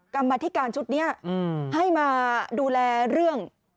กรรมธิการชุดนี้ให้มาดูแลเรื่อง